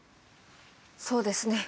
そうですね。